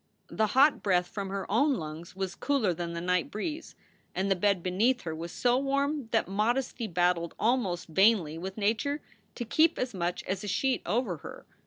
The hot breath from her own lungs was cooler than the night breeze, and the bed beneath her was so warm that modesty battled almost vainly with nature to keep as much as a sheet over her.